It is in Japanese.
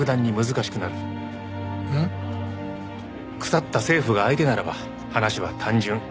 腐った政府が相手ならば話は単純。